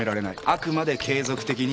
あくまで継続的に。